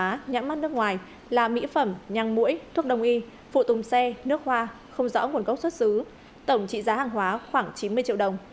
tổ công tác nhãn mát nước ngoài là mỹ phẩm nhang mũi thuốc đồng y phụ tùng xe nước hoa không rõ nguồn gốc xuất xứ tổng trị giá hàng hóa khoảng chín mươi triệu đồng